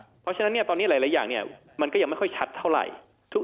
เพราะฉะนั้นตอนนี้หลายอย่างมันก็ยังไม่ค่อยชัดเท่าไหร่